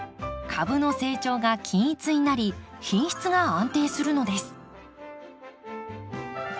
株の成長が均一になり品質が安定するのです。